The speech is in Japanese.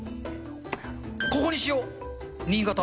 ここにしよう。